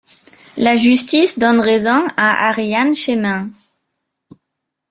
La justice donne raison à Ariane Chemin.